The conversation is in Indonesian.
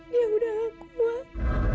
dia sudah tidak kuat